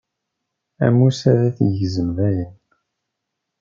Ammus ad t-yegzem dayen.